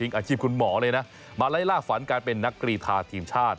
อาชีพคุณหมอเลยนะมาไล่ล่าฝันการเป็นนักกรีธาทีมชาติ